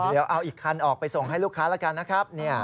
เดี๋ยวเอาอีกคันออกไปส่งให้ลูกค้าแล้วกันนะครับ